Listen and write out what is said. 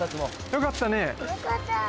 よかった